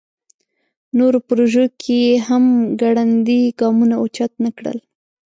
نورو پروژو کې یې هم ګړندي ګامونه اوچت نکړل.